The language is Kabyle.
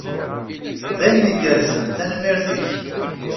D ayen igerrzen. Tanemmirt-ik!